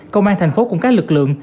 công an thành phố cùng các lực lượng